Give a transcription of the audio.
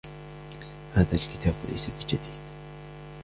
هذا الكتاب ليس بجديدٍ.